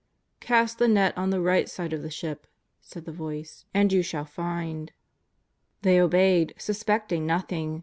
" Cast the net on the right side of the ship," said the Voice, ^^ and vou shall find/' They obeyed, suspecting nothing.